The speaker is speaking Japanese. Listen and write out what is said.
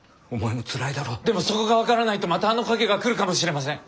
でもそこが分からないとまたあの影が来るかもしれません。